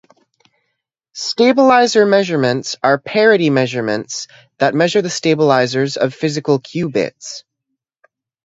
Stabilizer measurements are parity measurements that measure the stabilizers of physical qubits.